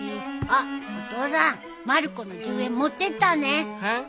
あっお父さんまる子の１０円持ってったね。はっ？